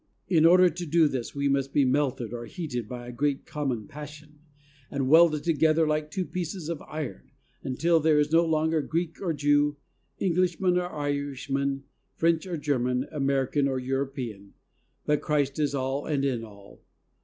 In order to do this we must be melted or heated by a great common passion, and welded together like two pieces of iron, until there is no longer "Greek or Jew," Englishman or Irishman, French or German, American or European, "but Christ is all and in all."